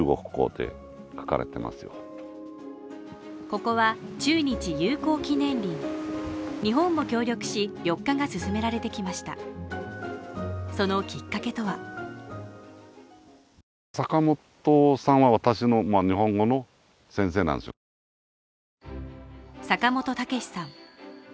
ここは中日友好記念林日本も協力し緑化が進められてきましたそのきっかけとは坂本毅さん